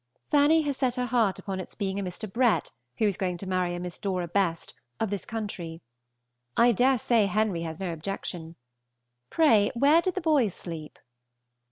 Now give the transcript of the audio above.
Fanny has set her heart upon its being a Mr. Brett who is going to marry a Miss Dora Best, of this country. I dare say Henry has no objection. Pray, where did the boys sleep?